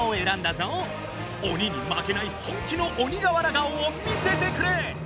鬼にまけない本気の鬼瓦顔を見せてくれ！